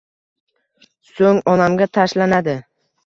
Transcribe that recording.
So'ng onamga tashlanadi